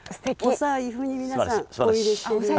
お財布に皆さんお入れしてるようです。